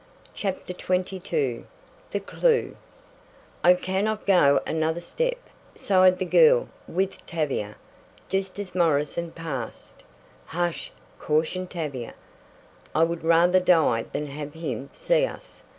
CHAPTER XXII THE CLEW "I cannot go another step," sighed the girl with Tavia, just as Morrison passed. "Hush!" cautioned Tavia. "I would rather die than have him see us!